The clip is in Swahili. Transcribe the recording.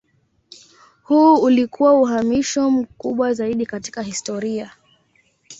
Huu ulikuwa uhamisho mkubwa zaidi katika historia.